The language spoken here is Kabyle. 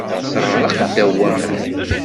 Teɣṛeq ddaw waman.